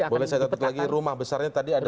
boleh saya katakan lagi rumah besarnya tadi adalah